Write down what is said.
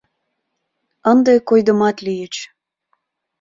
Ынде койдымат лийыч.